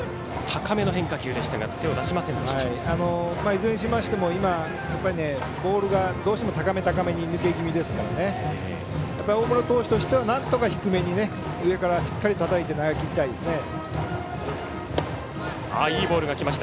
いずれにしましても今ボールがどうしても高め、高めに抜け気味ですから大室投手としてはなんとか低めに上からしっかりたたいて投げきりたいですね。